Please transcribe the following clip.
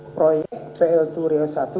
proyek pltu riau satu